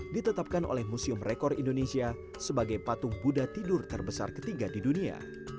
ditetapkan oleh museum rekor indonesia sebagai patung buddha tidur terbesar ketiga di dunia